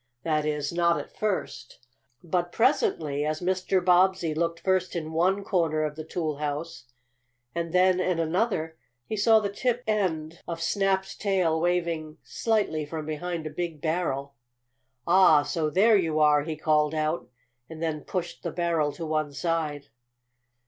That is, not at first. But presently, as Mr. Bobbsey looked first in one corner of the toolhouse and then in another, he saw the tip end of Snap's tail waving slightly from behind a big barrel. "Ah, so there you are!" he called out, and then pushed the barrel to one side.